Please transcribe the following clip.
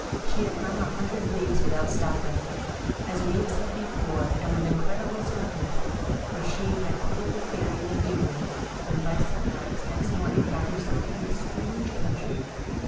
She had run an hundred leagues without stopping, as we have said before, and with incredible swiftness, for she had quitted the Fairy in the evening, and by sunrise next morning found herself in this strange country.